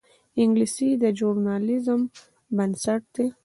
انګلیسي د ژورنالیزم بنسټ ده